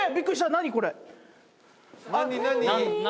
何？